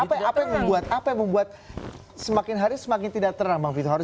apa yang membuat semakin hari semakin tidak terang bang fitra harun